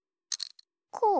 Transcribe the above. こう？